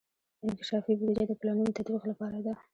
انکشافي بودیجه د پلانونو تطبیق لپاره ده.